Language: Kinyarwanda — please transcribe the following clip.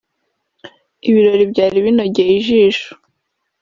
Ibirori byari binogeye ijisho